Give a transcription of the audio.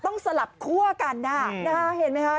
ต้องสลับคั่วกันนะฮะเห็นไหมฮะ